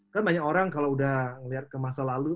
kan banyak orang kalau sudah melihat ke masa lalu